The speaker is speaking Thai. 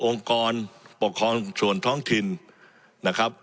กรปกครองส่วนท้องถิ่นนะครับ